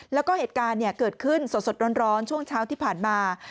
แล้วก็เหตุการณ์เกิดขึ้นสดร้อนช่วงเช้าที่ผ่านมา